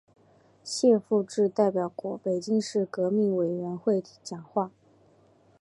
谢富治代表北京市革命委员会讲话。